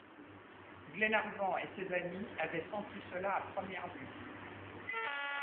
Glenarvan et ses amis avaient senti cela à première vue.